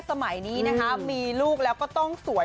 สมัยนี้นะคะมีลูกแล้วก็ต้องสวย